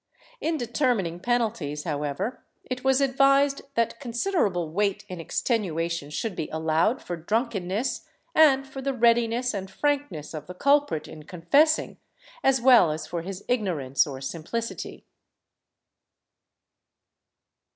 ^ In determining penalties, however, it was advised that considerable weight in extenuation should be allowed for drunkenness, and for the readiness and frankness of the culprit in confessing, as well as for his ignorance or simplicity.